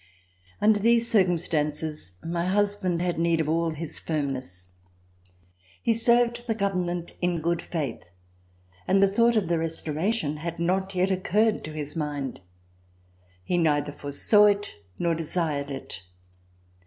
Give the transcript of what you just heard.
Under these circumstances, my husband had need of all his firmness. He served the Government in good faith and the thought of the Restoration had not yet occurred to his mind. He neither foresaw it nor desired it.